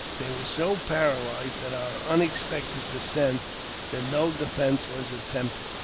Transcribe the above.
They were so paralyzed at our unexpected descent at no defence was attempted.